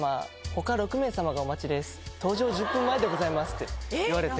「搭乗１０分前でございます」って言われて。